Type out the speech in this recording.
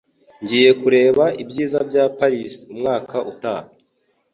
Ngiye kureba ibyiza bya Paris umwaka utaha.